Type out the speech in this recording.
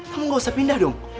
kamu gak usah pindah dong